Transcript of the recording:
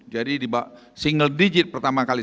jadi di single digit pertama kali